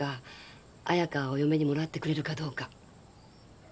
彩佳をお嫁にもらってくれるかどうか。